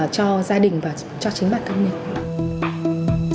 cho gia đình và cho chính bản thân mình